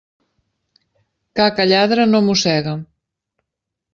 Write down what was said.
Ca que lladra no mossega.